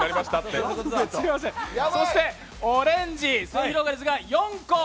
そしてオレンジ、すゑひろがりずが４個。